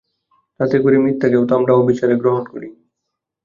তাতে করে মিথ্যাকেও তো আমরা অবিচারে গ্রহণ করি?